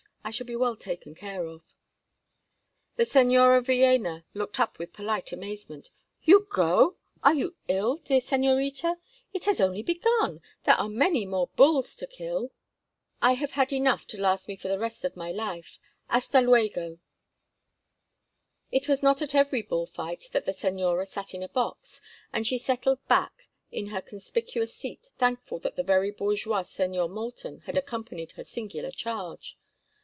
I shall be well taken care of." The Señora Villéna looked up with polite amazement. "You go? Are you ill, dear señorita? It has only begun. There are many more bulls to kill." "I have had enough to last me for the rest of my life. Hasta luego." It was not at every bull fight that the señora sat in a box, and she settled back in her conspicuous seat thankful that the very bourgeois Señor Moulton had accompanied her singular charge.